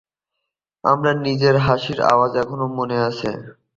আমার নিজের হাসির আওয়াজ এখন মনে আছে।